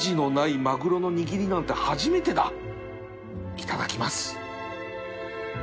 いただきます